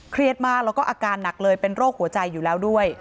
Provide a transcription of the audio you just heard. มากแล้วก็อาการหนักเลยเป็นโรคหัวใจอยู่แล้วด้วย